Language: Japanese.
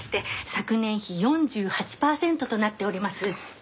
昨年比４８パーセントとなっております。